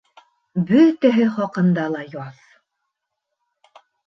— Бөтәһе хаҡында ла яҙ.